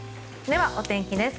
では、お天気です。